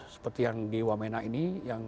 seperti yang di wamena ini